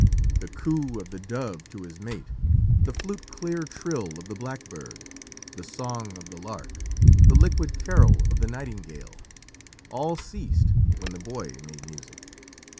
The coo of the dove to his mate, the flute clear trill of the blackbird, the song of the lark, the liquid carol of the nightingale all ceased when the boy made music.